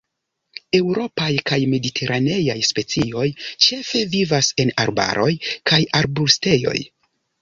Eŭropaj kaj mediteraneaj specioj ĉefe vivas en arbaroj kaj arbustejoj.